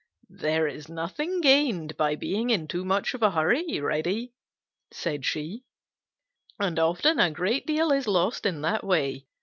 "There is nothing gained by being in too much of a hurry, Reddy," said she, "and often a great deal is lost in that way.